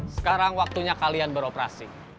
sekarang waktunya kalian beroperasi